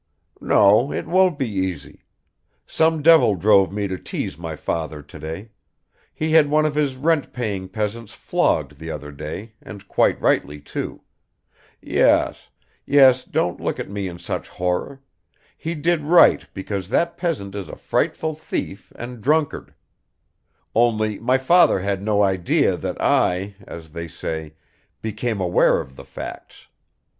"No; it won't be easy. Some devil drove me to tease my father today; he had one of his rent paying peasants flogged the other day and quite rightly too yes, yes, don't look at me in such horror he did right because that peasant is a frightful thief and drunkard; only my father had no idea that I, as they say, became aware of the facts.